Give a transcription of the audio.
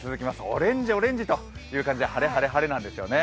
オレンジ、オレンジという感じで、晴れ、晴れ、晴れなんですよね。